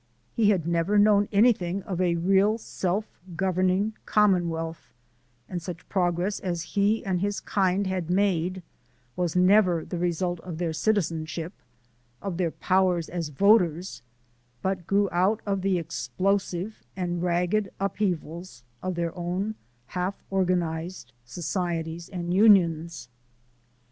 He had never known anything of a real self governing commonwealth, and such progress as he and his kind had made was never the result of their citizenship, of their powers as voters, but grew out of the explosive and ragged upheavals, of their own half organized societies and unions.